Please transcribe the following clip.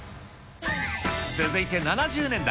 続いて７０年代。